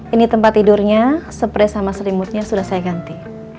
ini tempat tidurnya spray sama selimutnya sudah saya ganti